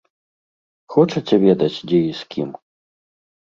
Хочаце ведаць дзе і з кім?